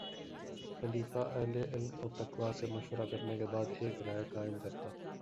خلیفہ اہلِ علم و تقویٰ سے مشورہ کرنے کے بعد ایک رائے قائم کرتا